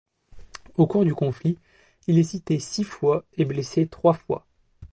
Au cours du conflit, il est cité six fois et blessé trois fois.